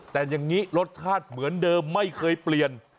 แต่อย่างนี้รสชาติเหมือนเดิมไม่เคยเปลี่ยน